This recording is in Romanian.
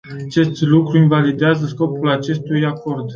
Acest lucru invalidează scopul acestui acord.